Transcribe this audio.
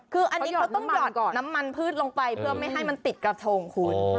คืออันนี้เขาต้องหยอดน้ำมันพืชลงไปเพื่อไม่ให้มันติดกระทงคุณ